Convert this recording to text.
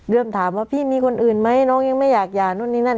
ถามว่าพี่มีคนอื่นไหมน้องยังไม่อยากหย่านู่นนี่นั่น